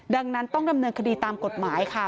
ดังนั้นต้องดำเนินคดีตามกฎหมายค่ะ